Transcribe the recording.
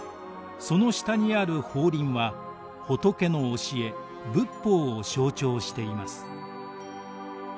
その下にある法輪は仏の教え仏法を象徴しています。